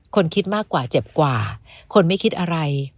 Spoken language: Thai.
คิดมากกว่าเจ็บกว่าคนไม่คิดอะไร